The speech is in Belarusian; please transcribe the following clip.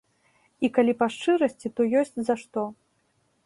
І калі па шчырасці, то ёсць за што.